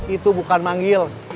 itu bukan manggil